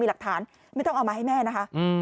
หลักฐานไม่ต้องเอามาให้แม่นะคะ